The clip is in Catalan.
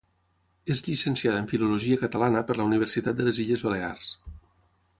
És llicenciada en Filologia Catalana per la Universitat de les Illes Balears.